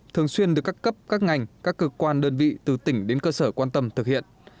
thường xuyên được các cấp các ngành các cơ quan đơn vị từ tỉnh đến cơ sở quan tâm thực hiện